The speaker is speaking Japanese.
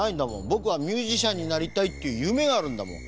ぼくはミュージシャンになりたいっていうゆめがあるんだもん。